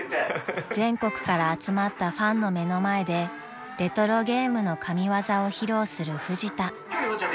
［全国から集まったファンの目の前でレトロゲームの神業を披露するフジタ］